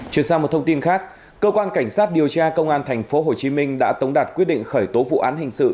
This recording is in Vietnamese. chuyển sang một thông tin khác cơ quan cảnh sát điều tra công an tp hcm đã tống đạt quyết định khởi tố vụ án hình sự